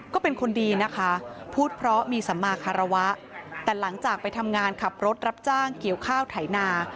ก็เป็นคนดีนะคะพูดเพราะมีสัมมาคารวะแต่หลังจากไปทำงานขับรถรับจ้างเกี่ยวข้าวไถนา